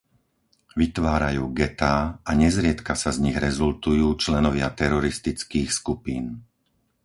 Vytvárajú getá a nezriedka sa z nich rezultujú členovia teroristických skupín.